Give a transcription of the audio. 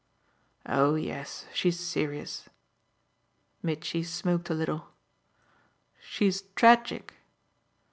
"Oh yes, she's serious." Mitchy smoked a little. "She's tragic."